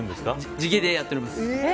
地毛でやっています。